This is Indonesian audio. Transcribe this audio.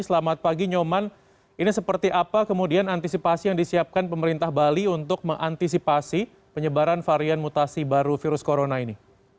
selamat pagi nyoman ini seperti apa kemudian antisipasi yang disiapkan pemerintah bali untuk mengantisipasi penyebaran varian mutasi baru virus corona ini